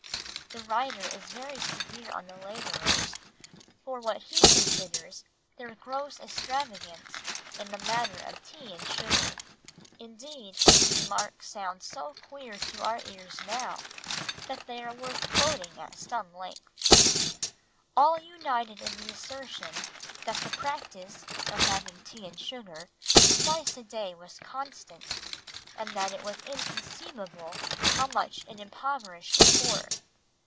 The writer is very severe on the labourers for what he considers their gross extravagance in the matter of tea and sugar, indeed his remarks sound so queer to our ears now that they are worth quoting at some length— "All united in the assertion that the practice [of having tea and sugar] twice a day was constant, and that it was inconceivable how much it impoverished the poor.